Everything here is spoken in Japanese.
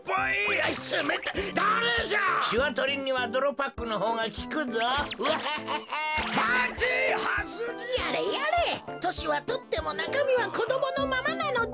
やれやれとしはとってもなかみはこどものままなのだ。